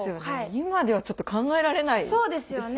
今ではちょっと考えられないですよね。